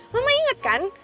mama inget kan